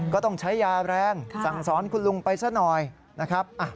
ก็ต้องใช้ยาแรงสั่งสอนคุณลุงไปซะหน่อยนะครับ